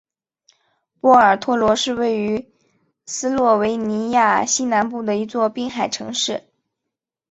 波尔托罗是位于斯洛维尼亚西南部的一座滨海城市。